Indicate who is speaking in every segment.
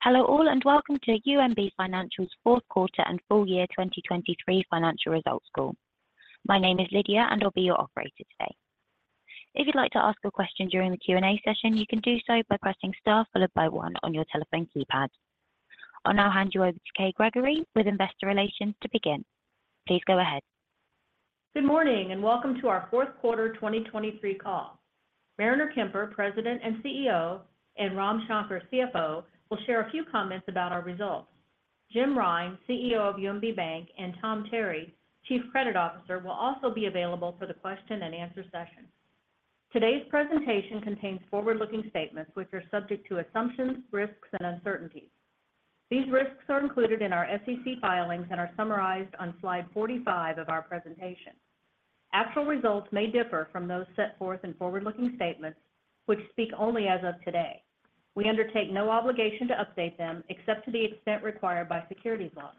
Speaker 1: Hello all, and welcome to UMB Financial's fourth quarter and full year 2023 financial results call. My name is Lydia, and I'll be your operator today. If you'd like to ask a question during the Q&A session, you can do so by pressing star followed by one on your telephone keypad. I'll now hand you over to Kay Gregory with Investor Relations to begin. Please go ahead.
Speaker 2: Good morning, and welcome to our fourth quarter 2023 call. Mariner Kemper, President and CEO, and Ram Shankar, CFO, will share a few comments about our results. Jim Rine, CEO of UMB Bank, and Tom Terry, Chief Credit Officer, will also be available for the question and answer session. Today's presentation contains forward-looking statements which are subject to assumptions, risks, and uncertainties. These risks are included in our SEC filings and are summarized on slide 45 of our presentation. Actual results may differ from those set forth in forward-looking statements, which speak only as of today. We undertake no obligation to update them, except to the extent required by securities laws.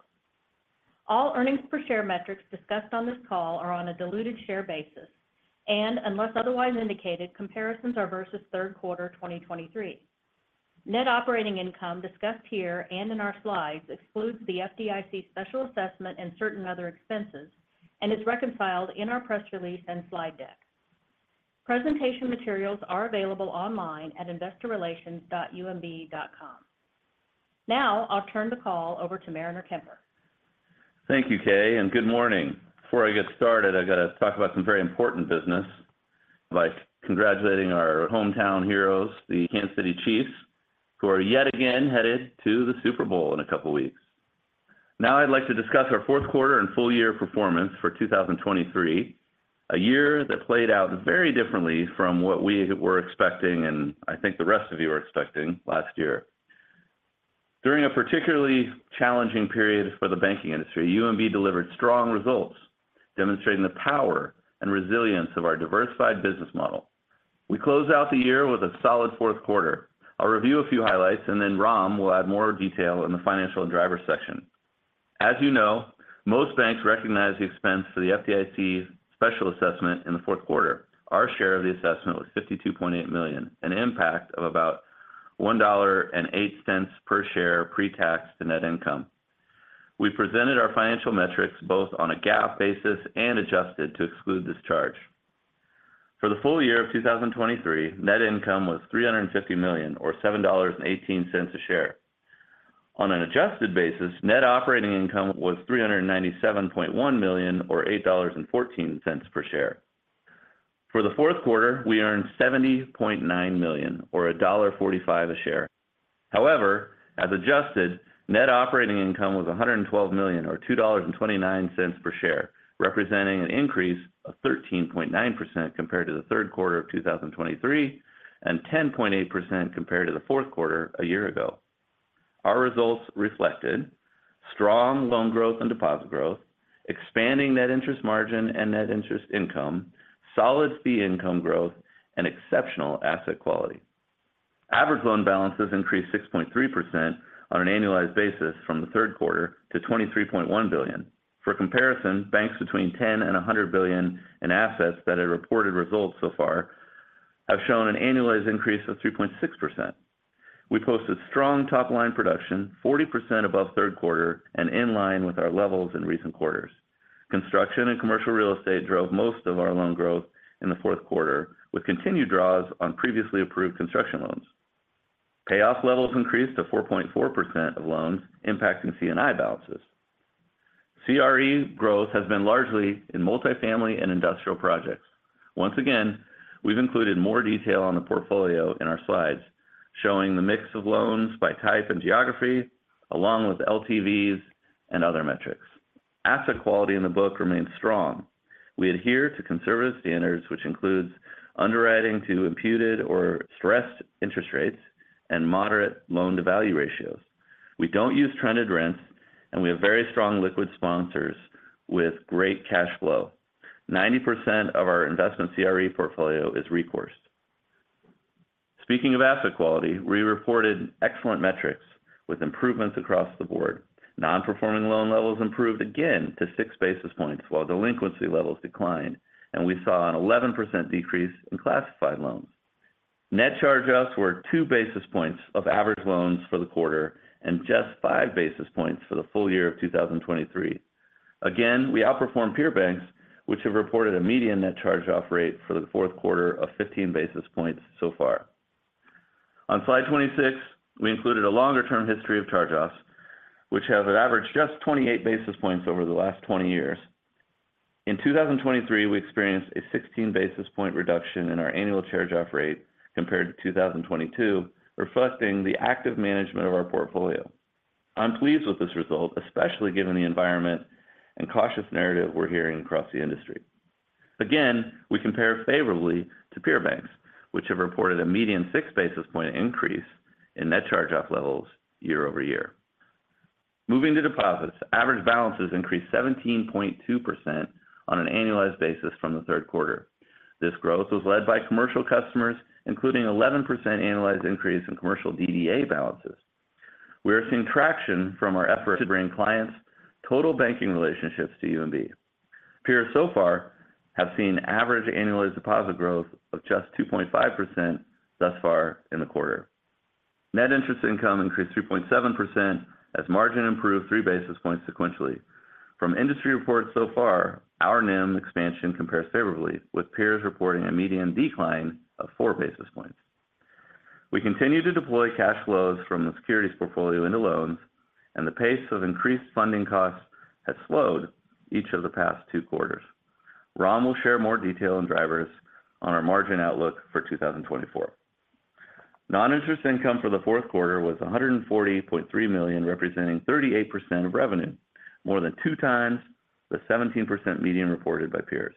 Speaker 2: All earnings per share metrics discussed on this call are on a diluted share basis, and unless otherwise indicated, comparisons are versus third quarter 2023. Net operating income discussed here and in our slides excludes the FDIC's Special Assessment and certain other expenses and is reconciled in our press release and slide deck. Presentation materials are available online at investorrelations.umb.com. Now, I'll turn the call over to Mariner Kemper.
Speaker 3: Thank you, Kay, and good morning. Before I get started, I've got to talk about some very important business by congratulating our hometown heroes, the Kansas City Chiefs, who are yet again headed to the Super Bowl in a couple of weeks. Now I'd like to discuss our fourth quarter and full year performance for 2023, a year that played out very differently from what we were expecting, and I think the rest of you are expecting last year. During a particularly challenging period for the banking industry, UMB delivered strong results demonstrating the power and resilience of our diversified business model. We closed out the year with a solid fourth quarter. I'll review a few highlights and then Ram will add more detail in the financial and driver section. As you know, most banks recognize the expense for the FDIC's Special Assessment in the fourth quarter. Our share of the assessment was $52.8 million, an impact of about $1.08 per share pre-tax to net income. We presented our financial metrics both on a GAAP basis and adjusted to exclude this charge. For the full year of 2023, net income was $350 million or $7.18 a share. On an adjusted basis, net operating income was $397.1 million or $8.14 per share. For the fourth quarter, we earned $70.9 million or $1.45 a share. However, as adjusted, net operating income was $112 million or $2.29 per share, representing an increase of 13.9% compared to the third quarter of 2023, and 10.8% compared to the fourth quarter a year ago. Our results reflected strong loan growth and deposit growth, expanding net interest margin and net interest income, solid fee income growth, and exceptional asset quality. Average loan balances increased 6.3% on an annualized basis from the third quarter to $23.1 billion. For comparison, banks between 10 and 100 billion in assets that have reported results so far have shown an annualized increase of 2.6%. We posted strong top-line production, 40% above third quarter and in line with our levels in recent quarters. Construction and commercial real estate drove most of our loan growth in the fourth quarter, with continued draws on previously approved construction loans. Payoff levels increased to 4.4% of loans impacting C&I balances. CRE growth has been largely in multifamily and industrial projects. Once again, we've included more detail on the portfolio in our slides, showing the mix of loans by type and geography, along with LTVs and other metrics. Asset quality in the book remains strong. We adhere to conservative standards, which includes underwriting to imputed or stressed interest rates and moderate loan-to-value ratios. We don't use trended rents, and we have very strong liquid sponsors with great cash flow. 90% of our investment CRE portfolio is recourse. Speaking of asset quality, we reported excellent metrics with improvements across the board. Non-performing loan levels improved again to 6 basis points, while delinquency levels declined, and we saw an 11% decrease in classified loans. Net charge-offs were 2 basis points of average loans for the quarter and just 5 basis points for the full year of 2023. Again, we outperformed peer banks, which have reported a median net charge-off rate for the fourth quarter of 15 basis points so far. On slide 26, we included a longer-term history of charge-offs, which have an average just 28 basis points over the last 20 years. In 2023, we experienced a 16 basis point reduction in our annual charge-off rate compared to 2022, reflecting the active management of our portfolio. I'm pleased with this result, especially given the environment and cautious narrative we're hearing across the industry. Again, we compare favorably to peer banks, which have reported a median 6 basis points increase in net charge-off levels year-over-year. Moving to deposits, average balances increased 17.2% on an annualized basis from the third quarter. This growth was led by commercial customers, including 11% annualized increase in commercial DDA balances. We are seeing traction from our effort to bring clients' total banking relationships to UMB.... Peers so far have seen average annualized deposit growth of just 2.5% thus far in the quarter. Net interest income increased 3.7% as margin improved 3 basis points sequentially. From industry reports so far, our NIM expansion compares favorably, with peers reporting a median decline of 4 basis points. We continue to deploy cash flows from the securities portfolio into loans, and the pace of increased funding costs has slowed each of the past two quarters. Ram will share more detail and drivers on our margin outlook for 2024. Non-interest income for the fourth quarter was $140.3 million, representing 38% of revenue, more than two times the 17% median reported by peers.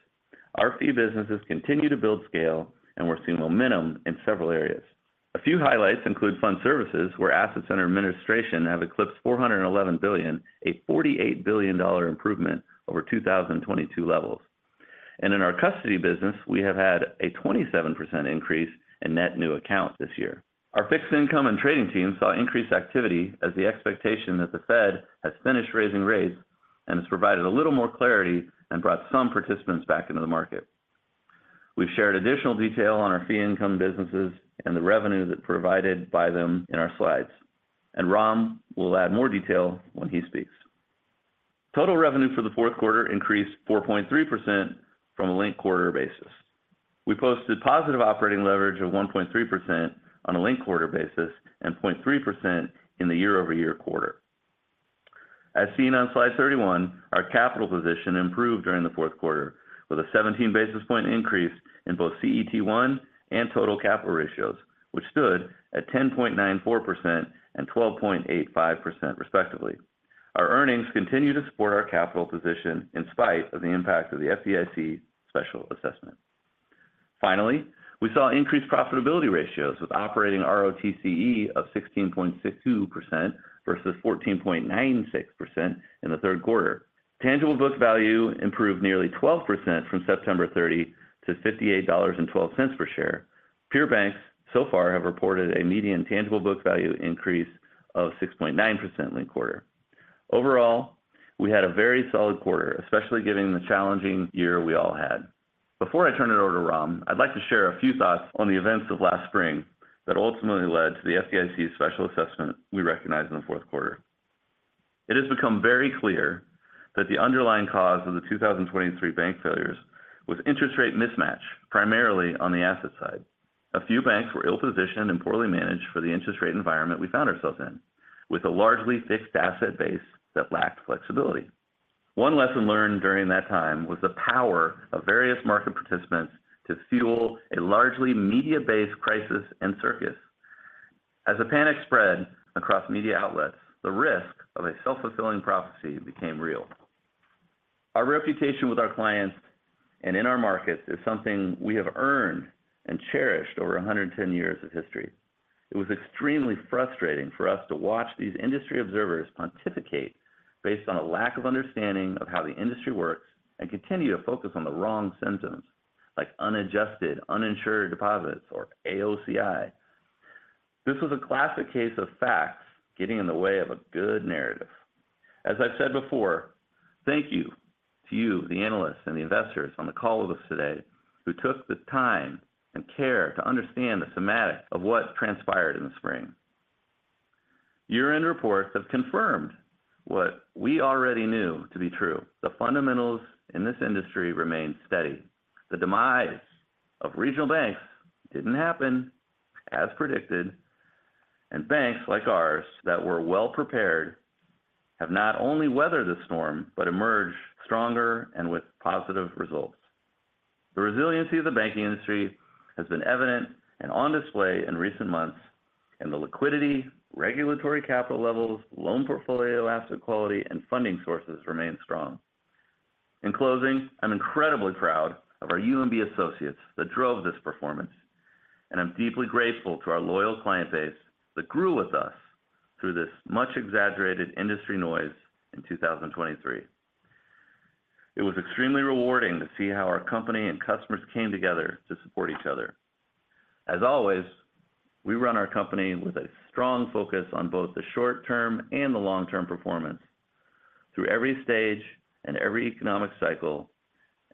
Speaker 3: Our fee businesses continue to build scale, and we're seeing momentum in several areas. A few highlights include fund services, where assets under administration have eclipsed $411 billion, a $48 billion improvement over 2022 levels. And in our custody business, we have had a 27% increase in net new accounts this year. Our fixed income and trading team saw increased activity as the expectation that the Fed has finished raising rates and has provided a little more clarity and brought some participants back into the market. We've shared additional detail on our fee income businesses and the revenue that provided by them in our slides, and Ram will add more detail when he speaks. Total revenue for the fourth quarter increased 4.3% from a linked quarter basis. We posted positive operating leverage of 1.3% on a linked quarter basis and 0.3% in the year-over-year quarter. As seen on slide 31, our capital position improved during the fourth quarter with a 17 basis point increase in both CET1 and total capital ratios, which stood at 10.94% and 12.85% respectively. Our earnings continue to support our capital position in spite of the impact of the FDIC special assessment. Finally, we saw increased profitability ratios with operating ROTCE of 16.62% versus 14.96% in the third quarter. Tangible book value improved nearly 12% from September 30 to $58.12 per share. Peer banks so far have reported a median tangible book value increase of 6.9% linked quarter. Overall, we had a very solid quarter, especially given the challenging year we all had. Before I turn it over to Ram, I'd like to share a few thoughts on the events of last spring that ultimately led to the FDIC special assessment we recognized in the fourth quarter. It has become very clear that the underlying cause of the 2023 bank failures was interest rate mismatch, primarily on the asset side. A few banks were ill-positioned and poorly managed for the interest rate environment we found ourselves in, with a largely fixed asset base that lacked flexibility. One lesson learned during that time was the power of various market participants to fuel a largely media-based crisis and circus. As the panic spread across media outlets, the risk of a self-fulfilling prophecy became real. Our reputation with our clients and in our markets is something we have earned and cherished over 110 years of history. It was extremely frustrating for us to watch these industry observers pontificate based on a lack of understanding of how the industry works, and continue to focus on the wrong symptoms, like unadjusted, uninsured deposits or AOCI. This was a classic case of facts getting in the way of a good narrative. As I've said before, thank you to you, the analysts and the investors on the call with us today, who took the time and care to understand the semantics of what transpired in the spring. Year-end reports have confirmed what we already knew to be true. The fundamentals in this industry remain steady. The demise of regional banks didn't happen as predicted, and banks like ours that were well prepared have not only weathered the storm, but emerged stronger and with positive results. The resiliency of the banking industry has been evident and on display in recent months, and the liquidity, regulatory capital levels, loan portfolio asset quality, and funding sources remain strong. In closing, I'm incredibly proud of our UMB associates that drove this performance, and I'm deeply grateful to our loyal client base that grew with us through this much exaggerated industry noise in 2023. It was extremely rewarding to see how our company and customers came together to support each other. As always, we run our company with a strong focus on both the short-term and the long-term performance through every stage and every economic cycle,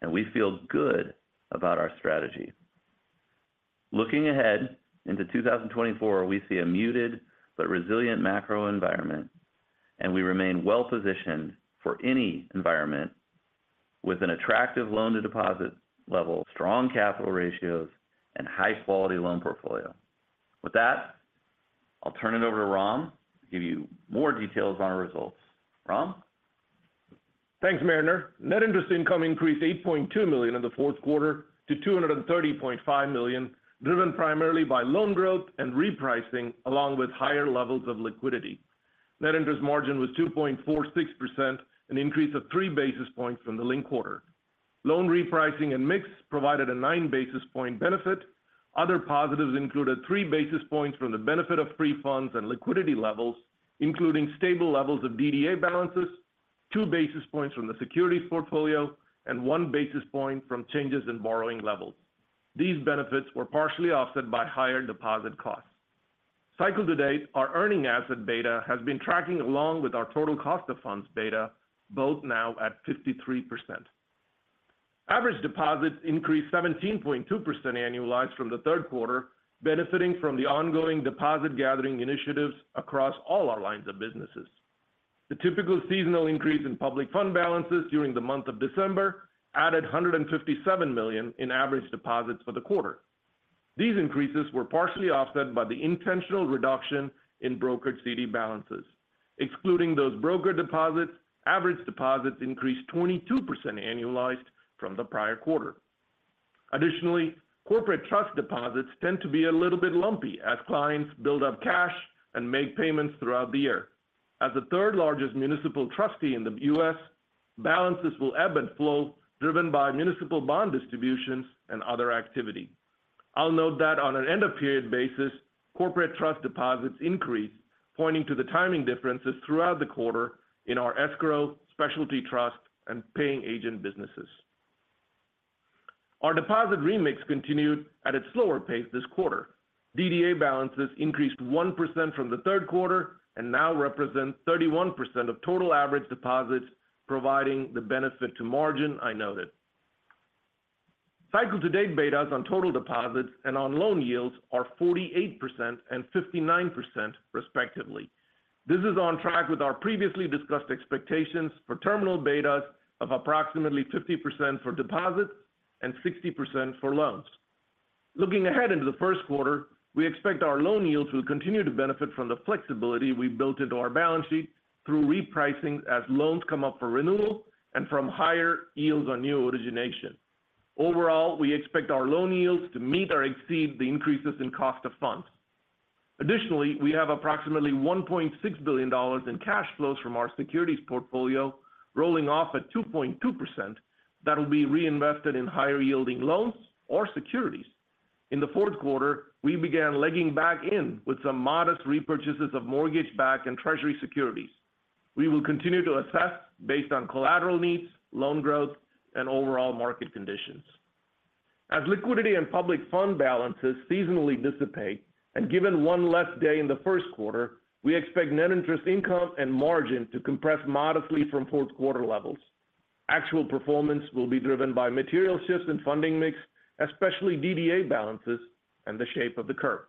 Speaker 3: and we feel good about our strategy. Looking ahead into 2024, we see a muted but resilient macro environment, and we remain well positioned for any environment with an attractive loan-to-deposit level, strong capital ratios, and high-quality loan portfolio. With that, I'll turn it over to Ram to give you more details on our results. Ram?
Speaker 4: Thanks, Mariner. Net interest income increased $8.2 million in the fourth quarter to $230.5 million, driven primarily by loan growth and repricing, along with higher levels of liquidity. Net interest margin was 2.46%, an increase of 3 basis points from the linked quarter. Loan repricing and mix provided a 9 basis point benefit. Other positives included 3 basis points from the benefit of free funds and liquidity levels, including stable levels of DDA balances, 2 basis points from the securities portfolio, and 1 basis point from changes in borrowing levels. These benefits were partially offset by higher deposit costs. Cycle to date, our earning asset beta has been tracking along with our total cost of funds beta, both now at 53%. Average deposits increased 17.2% annualized from the third quarter, benefiting from the ongoing deposit gathering initiatives across all our lines of businesses. The typical seasonal increase in public fund balances during the month of December added $157 million in average deposits for the quarter. These increases were partially offset by the intentional reduction in brokered CD balances. Excluding those brokered deposits, average deposits increased 22% annualized from the prior quarter. Additionally, corporate trust deposits tend to be a little bit lumpy as clients build up cash and make payments throughout the year. As the third largest municipal trustee in the U.S., balances will ebb and flow, driven by municipal bond distributions and other activity. I'll note that on an end of period basis, corporate trust deposits increased, pointing to the timing differences throughout the quarter in our escrow, specialty trust, and paying agent businesses. Our deposit remix continued at a slower pace this quarter. DDA balances increased 1% from the third quarter and now represent 31% of total average deposits, providing the benefit to margin I noted. Cycle to date betas on total deposits and on loan yields are 48% and 59% respectively. This is on track with our previously discussed expectations for terminal betas of approximately 50% for deposits and 60% for loans. Looking ahead into the first quarter, we expect our loan yields to continue to benefit from the flexibility we've built into our balance sheet through repricing as loans come up for renewal and from higher yields on new origination. Overall, we expect our loan yields to meet or exceed the increases in cost of funds. Additionally, we have approximately $1.6 billion in cash flows from our securities portfolio, rolling off at 2.2%, that will be reinvested in higher yielding loans or securities. In the fourth quarter, we began legging back in with some modest repurchases of mortgage-backed and treasury securities. We will continue to assess based on collateral needs, loan growth, and overall market conditions. As liquidity and public fund balances seasonally dissipate, and given one less day in the first quarter, we expect net interest income and margin to compress modestly from fourth quarter levels. Actual performance will be driven by material shifts in funding mix, especially DDA balances and the shape of the curve.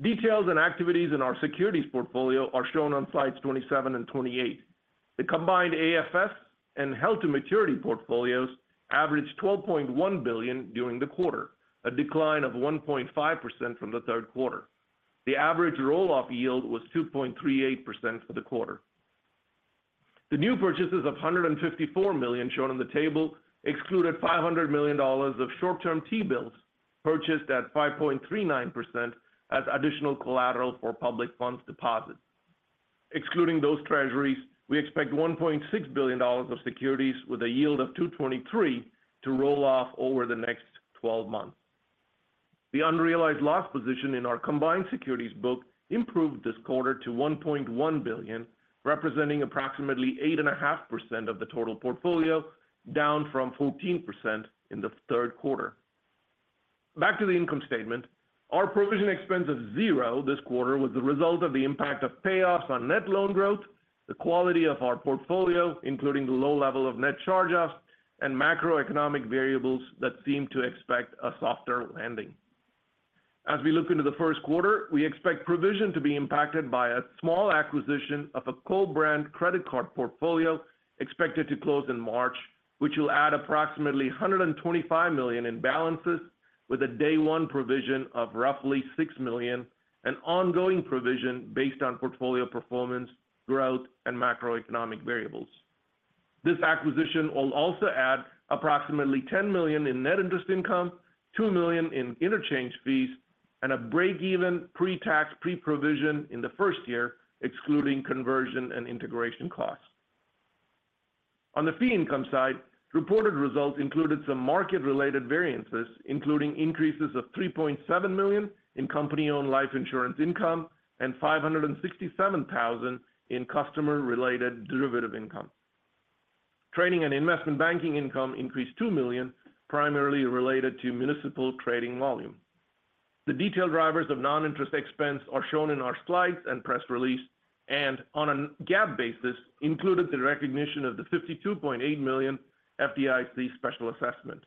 Speaker 4: Details and activities in our securities portfolio are shown on slides 27 and 28. The combined AFS and held-to-maturity portfolios averaged $12.1 billion during the quarter, a decline of 1.5% from the third quarter. The average roll-off yield was 2.38% for the quarter. The new purchases of $154 million shown on the table excluded $500 million of short-term T-bills, purchased at 5.39% as additional collateral for public funds deposits. Excluding those treasuries, we expect $1.6 billion of securities with a yield of 2.23% to roll off over the next 12 months. The unrealized loss position in our combined securities book improved this quarter to $1.1 billion, representing approximately 8.5% of the total portfolio, down from 14% in the third quarter. Back to the income statement. Our provision expense of 0 this quarter was the result of the impact of payoffs on net loan growth, the quality of our portfolio, including the low level of net charge-offs, and macroeconomic variables that seem to expect a softer landing. As we look into the first quarter, we expect provision to be impacted by a small acquisition of a co-brand credit card portfolio expected to close in March, which will add approximately $125 million in balances with a day one provision of roughly $6 million, and ongoing provision based on portfolio performance, growth, and macroeconomic variables. This acquisition will also add approximately $10 million in net interest income, $2 million in interchange fees, and a break-even pre-tax, pre-provision in the first year, excluding conversion and integration costs. On the fee income side, reported results included some market-related variances, including increases of $3.7 million in company-owned life insurance income and $567,000 in customer-related derivative income. Trading and investment banking income increased $2 million, primarily related to municipal trading volume. The detailed drivers of non-interest expense are shown in our slides and press release, and on a GAAP basis, included the recognition of the $52.8 million FDIC special assessment.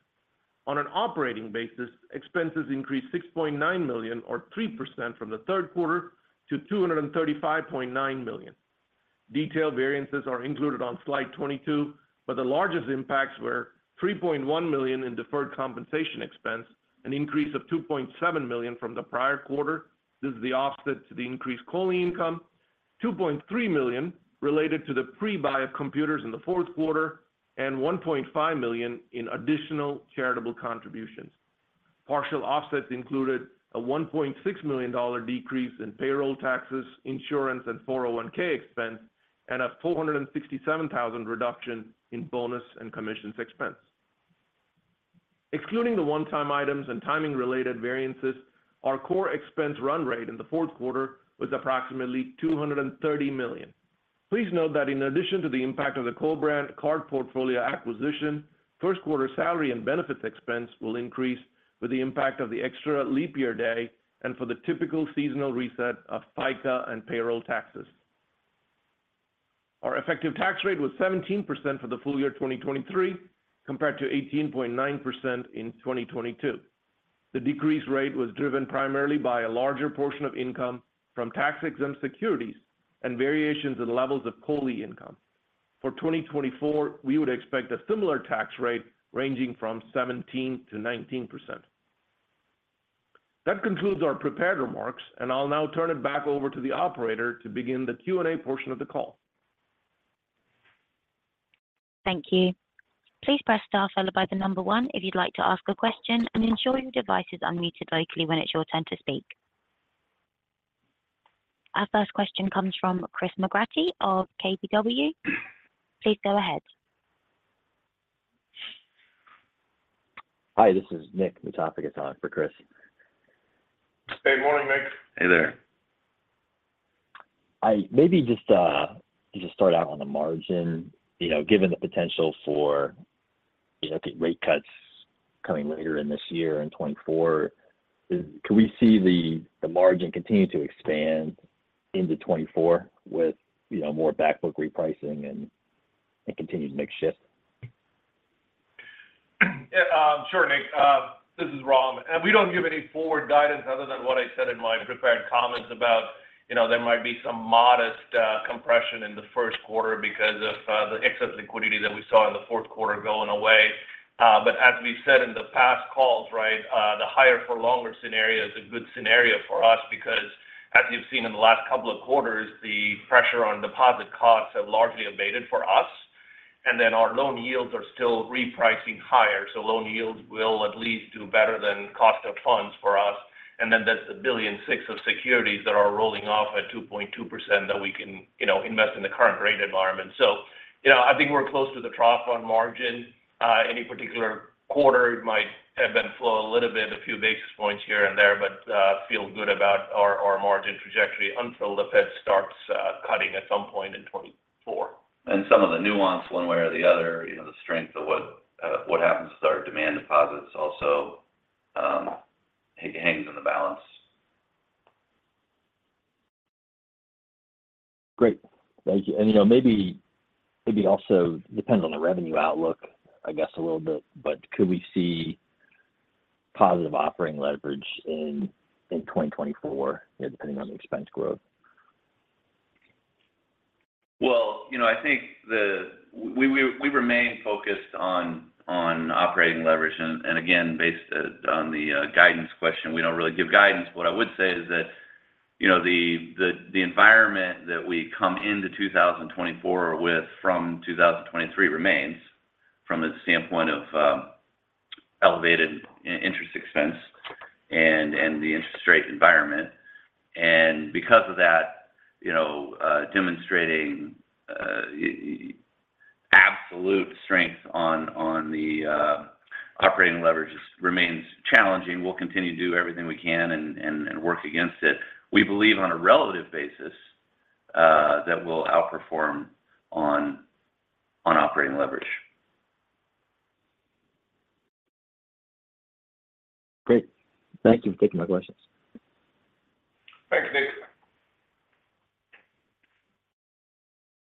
Speaker 4: On an operating basis, expenses increased $6.9 million or 3% from the third quarter to $235.9 million. Detailed variances are included on slide 22, but the largest impacts were $3.1 million in deferred compensation expense, an increase of $2.7 million from the prior quarter. This is the offset to the increased COLI income, $2.3 million related to the pre-buy of computers in the fourth quarter, and $1.5 million in additional charitable contributions. Partial offsets included a $1.6 million decrease in payroll taxes, insurance, and 401(k) expense, and a $467,000 reduction in bonus and commissions expense. Excluding the one-time items and timing-related variances, our core expense run rate in the fourth quarter was approximately $230 million.... Please note that in addition to the impact of the co-branded card portfolio acquisition, first quarter salary and benefits expense will increase with the impact of the extra leap year day and for the typical seasonal reset of FICA and payroll taxes. Our effective tax rate was 17% for the full year 2023, compared to 18.9% in 2022. The decreased rate was driven primarily by a larger portion of income from tax-exempt securities and variations in levels of COLI income. For 2024, we would expect a similar tax rate ranging from 17%-19%. That concludes our prepared remarks, and I'll now turn it back over to the operator to begin the Q&A portion of the call.
Speaker 1: Thank you. Please press star followed by the number one if you'd like to ask a question, and ensure your device is unmuted locally when it's your turn to speak. Our first question comes from Chris McGratty of KBW. Please go ahead.
Speaker 5: Hi, this is Nick Mutapcic in for Chris.
Speaker 4: Hey, morning, Nick.
Speaker 3: Hey there.
Speaker 5: I maybe just start out on the margin. You know, given the potential for, you know, the rate cuts coming later in this year in 2024, can we see the margin continue to expand into 2024 with, you know, more back book repricing and continued mix shift?
Speaker 4: Sure, Nick. This is Ram. And we don't give any forward guidance other than what I said in my prepared comments about, you know, there might be some modest compression in the first quarter because of the excess liquidity that we saw in the fourth quarter going away. But as we said in the past calls, right, the higher for longer scenario is a good scenario for us because as you've seen in the last couple of quarters, the pressure on deposit costs have largely abated for us, and then our loan yields are still repricing higher. So loan yields will at least do better than cost of funds for us. And then there's $1.6 billion of securities that are rolling off at 2.2% that we can, you know, invest in the current rate environment. You know, I think we're close to the trough on margin. Any particular quarter might ebb and flow a little bit, a few basis points here and there, but feel good about our margin trajectory until the Fed starts cutting at some point in 2024.
Speaker 3: Some of the nuance one way or the other, you know, the strength of what happens to our demand deposits also hangs in the balance.
Speaker 5: Great. Thank you. And, you know, maybe, maybe also depends on the revenue outlook, I guess, a little bit, but could we see positive operating leverage in, in 2024, depending on the expense growth?
Speaker 3: Well, you know, I think we remain focused on operating leverage. And again, based on the guidance question, we don't really give guidance. What I would say is that, you know, the environment that we come into 2024 with from 2023 remains from a standpoint of elevated interest expense and the interest rate environment. And because of that, you know, demonstrating absolute strength on the operating leverage remains challenging. We'll continue to do everything we can and work against it. We believe on a relative basis that we'll outperform on operating leverage.
Speaker 5: Great. Thank you for taking my questions.
Speaker 4: Thanks, Nick.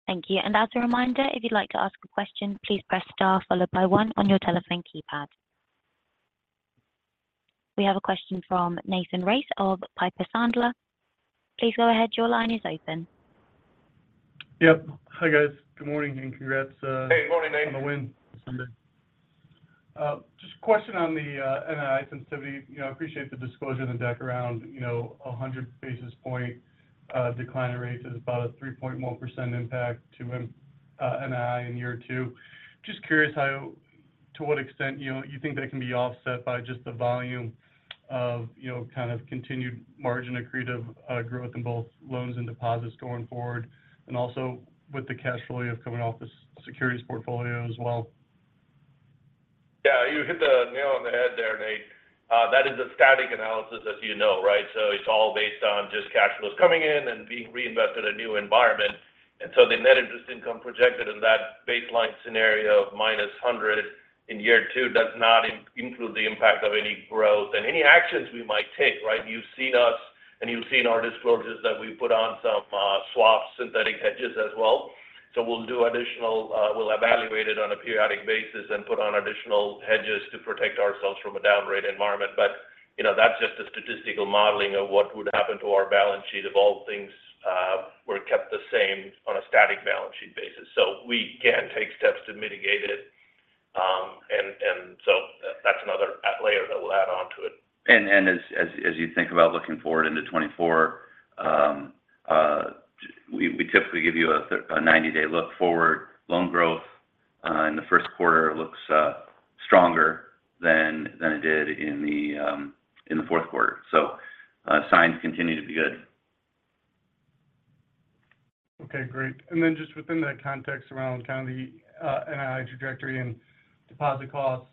Speaker 1: Thank you. As a reminder, if you'd like to ask a question, please press star followed by one on your telephone keypad. We have a question from Nathan Race of Piper Sandler. Please go ahead. Your line is open.
Speaker 6: Yep. Hi, guys. Good morning, and congrats.
Speaker 4: Hey, good morning, Nate....
Speaker 6: on the win Sunday. Just a question on the NII sensitivity. You know, I appreciate the disclosure and the deck around, you know, 100 basis points decline in rates is about a 3.1% impact to NII in year two. Just curious how, to what extent, you know, you think that can be offset by just the volume of, you know, kind of continued margin accretive growth in both loans and deposits going forward, and also with the cash flow of coming off the securities portfolio as well?
Speaker 4: Yeah, you hit the nail on the head there, Nate. That is a static analysis, as you know, right? So it's all based on just cash flows coming in and being reinvested in a new environment. And so the net interest income projected in that baseline scenario of -$100 million in year two does not include the impact of any growth and any actions we might take, right? You've seen us, and you've seen our disclosures that we put on some swap synthetic hedges as well. So we'll do additional. We'll evaluate it on a periodic basis and put on additional hedges to protect ourselves from a down rate environment. But, you know, that's just a statistical modeling of what would happen to our balance sheet if all things were kept the same on a static balance sheet basis. So we can take steps to mitigate it, and so that's another layer that we'll add on to it.
Speaker 3: As you think about looking forward into 2024, we typically give you a 90-day look forward. Loan growth in the first quarter looks stronger than it did in the fourth quarter. So, signs continue to be good.
Speaker 6: Okay, great. Then just within that context around kind of the NII trajectory and deposit costs,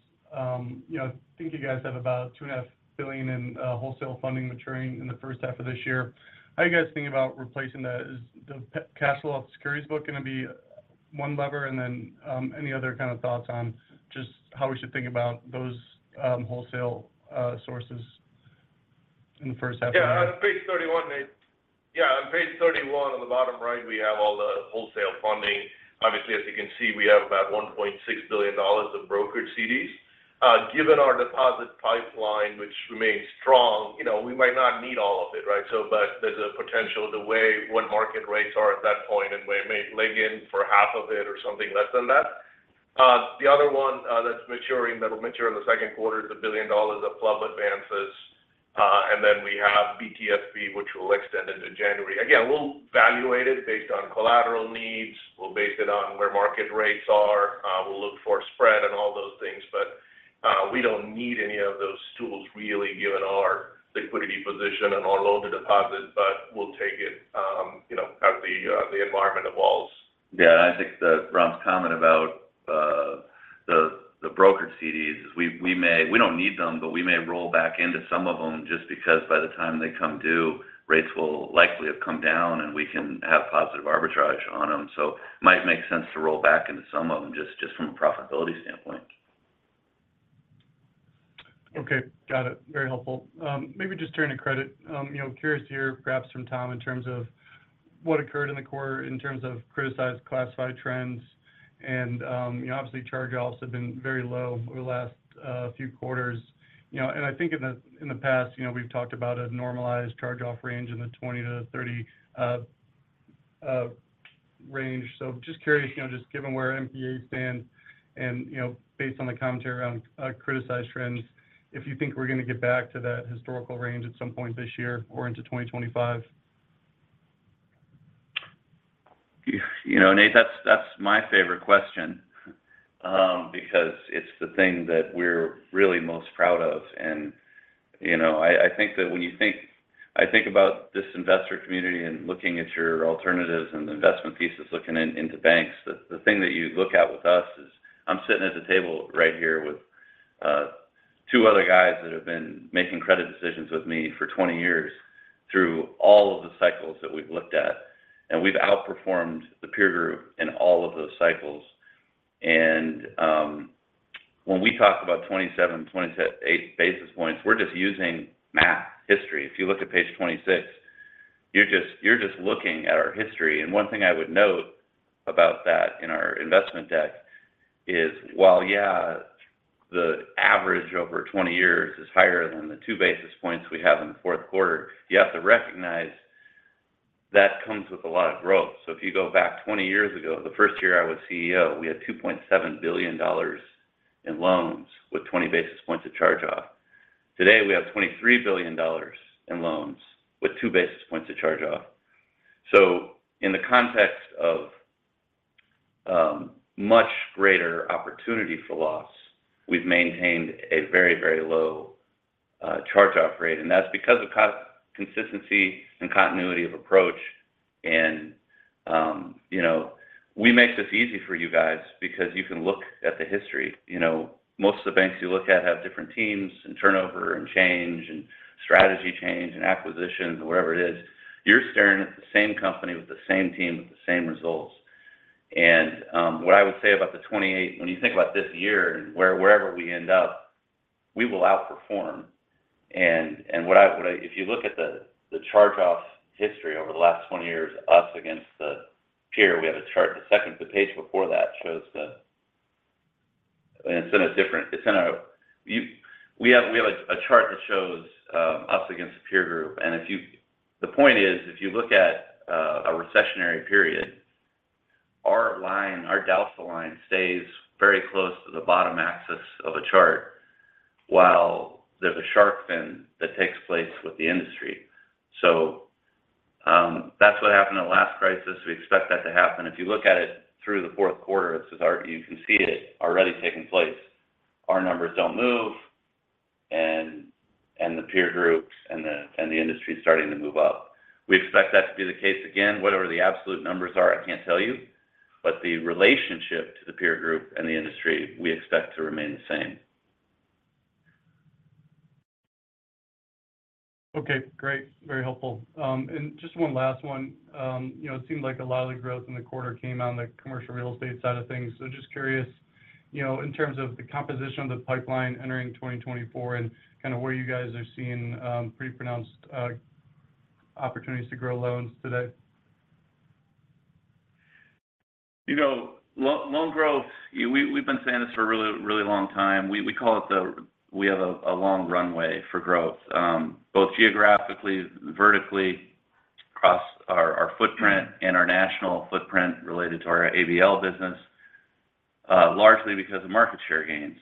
Speaker 6: you know, I think you guys have about $2.5 billion in wholesale funding maturing in the first half of this year. How are you guys thinking about replacing the, is the cash flow off securities book going to be one lever and then any other kind of thoughts on just how we should think about those wholesale sources in the first half?
Speaker 7: Yeah, on page 31, Nate. Yeah, on page 31, on the bottom right, we have all the wholesale funding. Obviously, as you can see, we have about $1.6 billion of brokered CDs. Given our deposit pipeline, which remains strong, you know, we might not need all of it, right? So but there's a potential the way what market rates are at that point, and we may leg in for half of it or something less than that. The other one, that's maturing, that'll mature in the second quarter is $1 billion of club advances. And then we have BTFP, which will extend into January. Again, we'll valuate it based on collateral needs. We'll base it on where market rates are. We'll look for spread and all those things, but we don't need any of those tools really, given our liquidity position and our loan to deposit, but we'll take it, you know, as the environment evolves.
Speaker 3: Yeah, and I think that Ram’s comment about the brokered CDs is we may—we don't need them, but we may roll back into some of them just because by the time they come due, rates will likely have come down, and we can have positive arbitrage on them. So it might make sense to roll back into some of them just from a profitability standpoint.
Speaker 6: Okay. Got it. Very helpful. Maybe just turning to credit. You know, curious to hear perhaps from Tom in terms of what occurred in the quarter in terms of criticized classified trends. And, you know, obviously, charge-offs have been very low over the last few quarters. You know, and I think in the past, you know, we've talked about a normalized charge-off range in the 20-30 range. So just curious, you know, just given where NPA stands and, you know, based on the commentary around criticized trends, if you think we're going to get back to that historical range at some point this year or into 2025?
Speaker 3: You know, Nate, that's, that's my favorite question, because it's the thing that we're really most proud of. And, you know, I, I think that when you think—I think about this investor community and looking at your alternatives and the investment pieces, looking in, into banks, the, the thing that you look at with us is I'm sitting at the table right here with two other guys that have been making credit decisions with me for 20 years through all of the cycles that we've looked at, and we've outperformed the peer group in all of those cycles. And, when we talk about 27, 28 basis points, we're just using math history. If you look at page 26, you're just, you're just looking at our history. One thing I would note about that in our investment deck is while, yeah, the average over 20 years is higher than the 2 basis points we have in the fourth quarter, you have to recognize that comes with a lot of growth. So if you go back 20 years ago, the first year I was CEO, we had $2.7 billion in loans with 20 basis points of charge off. Today, we have $23 billion in loans with 2 basis points of charge off. So in the context of much greater opportunity for loss, we've maintained a very, very low charge-off rate, and that's because of consistency and continuity of approach. You know, we make this easy for you guys because you can look at the history. You know, most of the banks you look at have different teams, and turnover, and change, and strategy change, and acquisitions, or whatever it is. You're staring at the same company with the same team, with the same results. And what I would say about the 2028, when you think about this year, wherever we end up, we will outperform. And what I, if you look at the charge-offs history over the last 20 years, us against the peer, we have a chart, the second page before that shows the, and it's in a different, it's in a, we have a chart that shows us against the peer group. And if you the point is, if you look at a recessionary period, our line, our delta line stays very close to the bottom axis of a chart, while there's a sharp fin that takes place with the industry. So that's what happened in the last crisis. We expect that to happen. If you look at it through the fourth quarter, it's already you can see it already taking place. Our numbers don't move, and the peer groups and the industry is starting to move up. We expect that to be the case again. Whatever the absolute numbers are, I can't tell you, but the relationship to the peer group and the industry, we expect to remain the same.
Speaker 6: Okay, great. Very helpful. And just one last one. You know, it seemed like a lot of the growth in the quarter came on the commercial real estate side of things. So just curious, you know, in terms of the composition of the pipeline entering 2024 and kind of where you guys are seeing pretty pronounced opportunities to grow loans today.
Speaker 3: You know, loan growth, we've been saying this for a really, really long time. We call it. We have a long runway for growth, both geographically, vertically, across our footprint and our national footprint related to our ABL business, largely because of market share gains.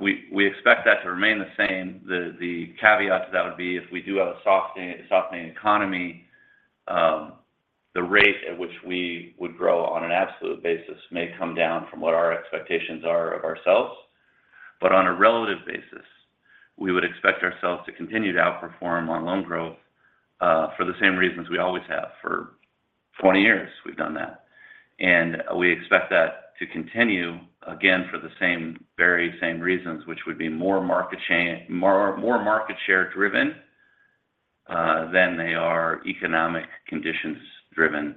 Speaker 3: We expect that to remain the same. The caveat to that would be if we do have a softening economy, the rate at which we would grow on an absolute basis may come down from what our expectations are of ourselves. But on a relative basis, we would expect ourselves to continue to outperform on loan growth, for the same reasons we always have. For 20 years, we've done that. We expect that to continue, again, for the same, very same reasons, which would be more market share driven than they are economic conditions driven.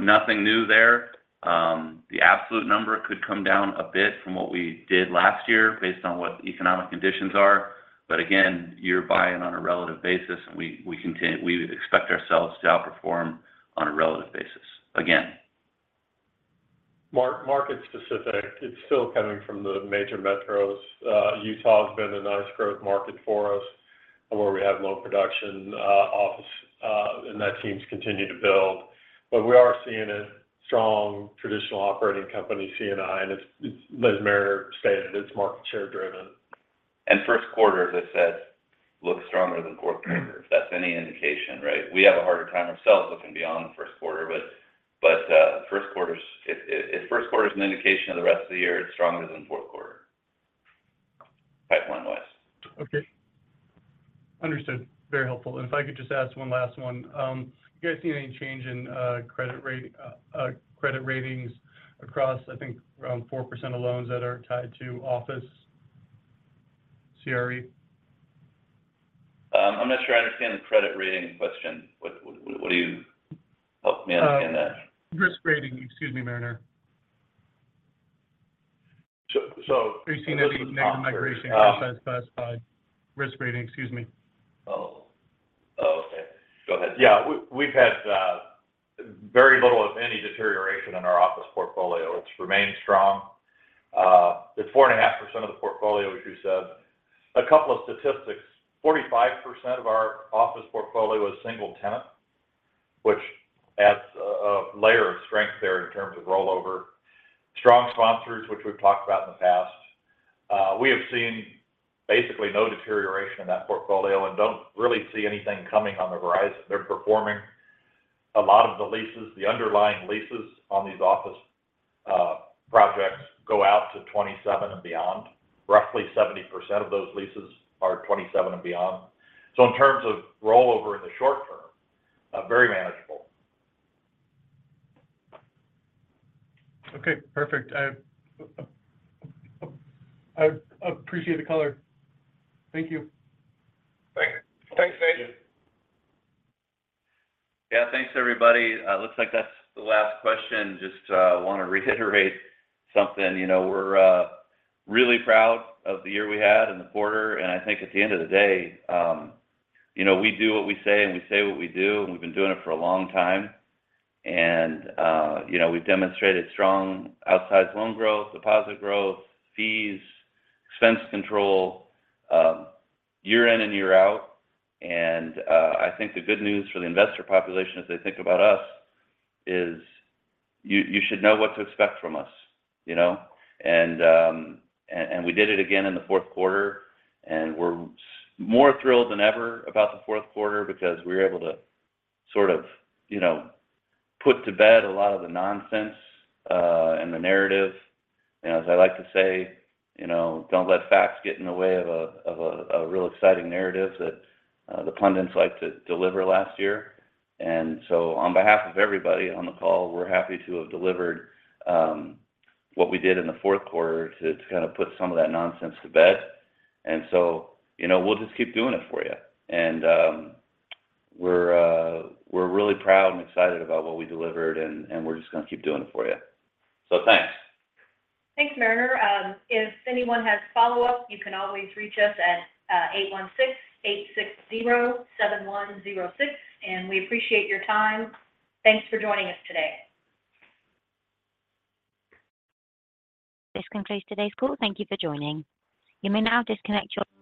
Speaker 3: Nothing new there. The absolute number could come down a bit from what we did last year, based on what the economic conditions are. But again, you're buying on a relative basis, and we expect ourselves to outperform on a relative basis again.
Speaker 8: Market-specific, it's still coming from the major metros. Utah has been a nice growth market for us, where we have loan production, office, and that seems to continue to build. But we are seeing a strong traditional operating company, C&I, and it's, as Mariner stated, it's market share driven.
Speaker 3: First quarter, as I said, looks stronger than fourth quarter, if that's any indication, right? We have a harder time ourselves looking beyond the first quarter, but first quarter's, if first quarter is an indication of the rest of the year, it's stronger than fourth quarter. Pipeline-wise.
Speaker 6: Okay. Understood. Very helpful. If I could just ask one last one. You guys seen any change in credit rate, credit ratings across, I think, around 4% of loans that are tied to office CRE?
Speaker 3: I'm not sure I understand the credit rating question. What do you... Help me understand that.
Speaker 6: Risk rating. Excuse me, Mariner.
Speaker 8: So, so-
Speaker 6: Have you seen any negative migration risk as classified? Risk rating, excuse me.
Speaker 3: Oh. Oh, okay. Go ahead.
Speaker 8: Yeah, we've, we've had very little of any deterioration in our office portfolio. It's remained strong. It's 4.5% of the portfolio, as you said. A couple of statistics. 45% of our office portfolio is single tenant, which adds a, a layer of strength there in terms of rollover. Strong sponsors, which we've talked about in the past. We have seen basically no deterioration in that portfolio and don't really see anything coming on the horizon. They're performing a lot of the leases. The underlying leases on these office projects go out to 2027 and beyond. Roughly 70% of those leases are 2027 and beyond. So in terms of rollover in the short term, very manageable.
Speaker 6: Okay, perfect. I appreciate the color. Thank you.
Speaker 8: Thank you. Thanks, Nate.
Speaker 3: Yeah, thanks, everybody. It looks like that's the last question. Just want to reiterate something. You know, we're really proud of the year we had and the quarter, and I think at the end of the day, you know, we do what we say, and we say what we do, and we've been doing it for a long time. And you know, we've demonstrated strong outside loan growth, deposit growth, fees, expense control, year in and year out. And I think the good news for the investor population as they think about us, is you, you should know what to expect from us, you know? And we did it again in the fourth quarter, and we're more thrilled than ever about the fourth quarter because we were able to sort of, you know, put to bed a lot of the nonsense, and the narrative. You know, as I like to say, you know, don't let facts get in the way of a real exciting narrative that the pundits like to deliver last year. And so on behalf of everybody on the call, we're happy to have delivered what we did in the fourth quarter to kind of put some of that nonsense to bed. And so, you know, we'll just keep doing it for you. And we're really proud and excited about what we delivered, and we're just going to keep doing it for you. So thanks.
Speaker 2: Thanks, Mariner. If anyone has follow-up, you can always reach us at 816-860-7106, and we appreciate your time. Thanks for joining us today.
Speaker 1: This concludes today's call. Thank you for joining. You may now disconnect your-